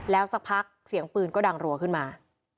แล้วสักพักเสียงปืนก็ดังรัวขึ้นมา